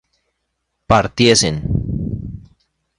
partiesen